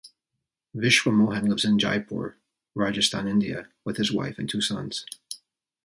Vishwa Mohan lives in Jaipur, Rajasthan, India, with his wife and two sons.